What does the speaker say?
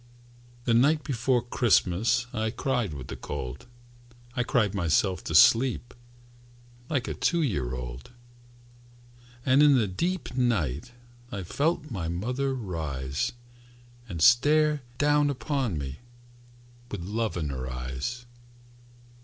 The night before Christmas I cried with the cold, I cried myself to sleep Like a two year old. And in the deep night I felt my mother rise, And stare down upon me With love in her eyes.